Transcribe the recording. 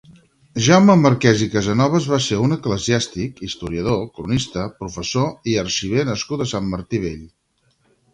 Jaume Marqués i Casanovas va ser un eclesiàstic, historiador, cronista, professor i arxiver nascut a Sant Martí Vell.